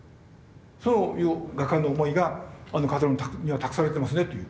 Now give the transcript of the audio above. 「そういう画家の思いがあの風車には託されてますね」と言う。